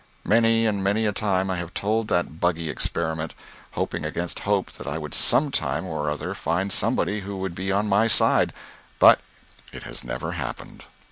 Many and many a time I have told that buggy experiment, hoping against hope that I would some time or other find somebody who would be on my side, but it has never happened.